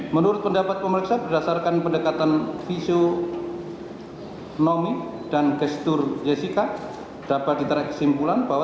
menurut pendapat pemeriksa berdasarkan pendekatan fisionomi dan gestur jessica dapat ditarik kesimpulan bahwa